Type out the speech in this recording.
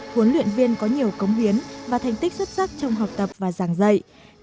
huấn luyện viên có nhiều công hiến và thành tích xuất sắc trong học tập và giảng dạy